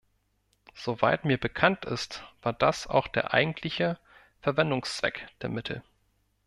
Soweit mir bekannt ist, war das auch der eigentliche Verwendungszweck der Mittel.